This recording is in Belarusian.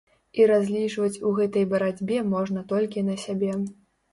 І разлічваць у гэтай барацьбе можна толькі на сябе.